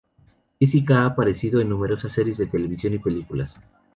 Jessica ha aparecido en numerosas series de televisión y películas.